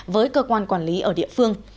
với cơ quan quản lý ở địa phương